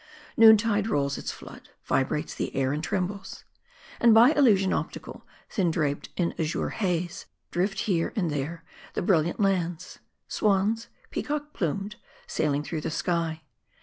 Noon tide rolls its flood. Vibrates the air, and trembles. And by illusion optical, thin draped in azure haze, drift here and there the brilliant lands : 'swans x peacock plumaged, sailing through the sky.